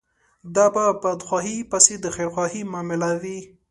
دا به په بدخواهي پسې د خيرخواهي معامله وي.